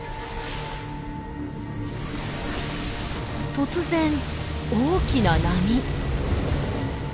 突然大きな波。